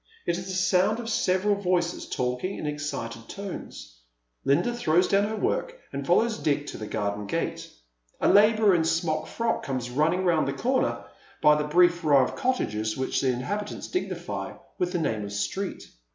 It is the sound of several voices talking in excited tones. Linda throws do^vn her work and follows Dick to the garden gate. A labourer in a smock frock comes running round the corner, by the brief row of cottages which the inhabi tants dignify with the name of street.